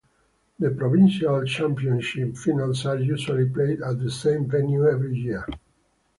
The provincial championship finals are usually played at the same venue every year.